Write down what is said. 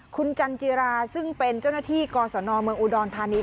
คุณจันจิราซึ่งเป็นเจ้าหน้าที่กศนเมืองอุดรธานี